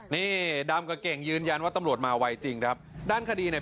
นี่ดำกับเก่งยืนยันว่าตำรวจมาไวจริงครับด้านคดีเนี่ย